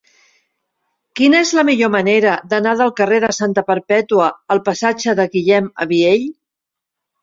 Quina és la millor manera d'anar del carrer de Santa Perpètua al passatge de Guillem Abiell?